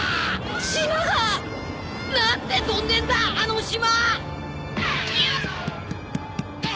島がなんで飛んでんだあの島！